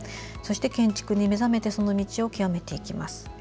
そして、建築に目覚めてその道を究めていきます。